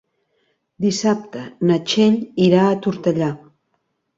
Dissabte na Txell irà a Tortellà.